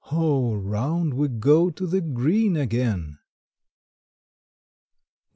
O, round we go to the green again!